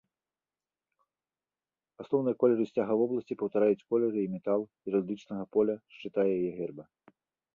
Асноўныя колеры сцяга вобласці паўтараюць колеры і метал геральдычнага поля шчыта яе герба.